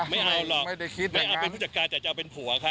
ไม่เอาหรอกไม่เอาเป็นผู้จัดการแต่จะเอาเป็นผัวเขา